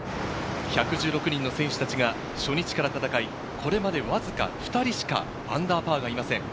１１６人の選手たちが、初日から戦い、これまでわずか２人しかアンダーパーがいません。